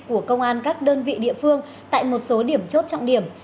của công an các đơn vị địa phương tại một số điểm chốt trọng điểm